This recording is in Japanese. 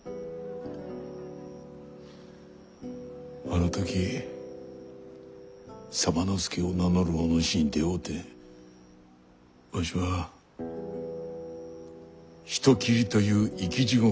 あの時左馬之助を名乗るお主に出会うてわしは人斬りという生き地獄から抜け出すことができた。